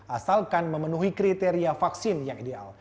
asalkan memenuhi kriteria vaksin yang ideal